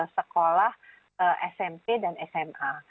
sekolah smp dan sma